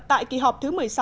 tại kỳ họp thứ một mươi sáu